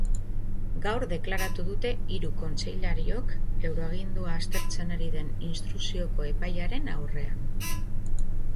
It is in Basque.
Gaur deklaratu dute hiru kontseilariok euroagindua aztertzen ari den instrukzioko epailearen aurrean.